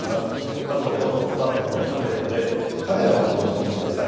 まずお手元のスマートフォンやタブレットで、カメラを起動してみてください。